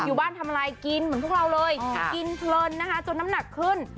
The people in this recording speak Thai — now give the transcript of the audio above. อยู่บ้านทำอะไรกินเหมือนพวกเราเลยกินเพลินนะคะจนน้ำหนักขึ้น